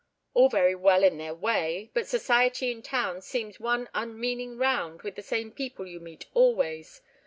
"All very well in their way. But society in town seems one unmeaning round with the same people you meet always.